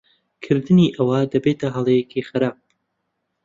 کردنی ئەوە دەبێتە ھەڵەیەکی خراپ.